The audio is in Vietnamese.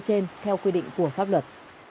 lên theo quy định của pháp luật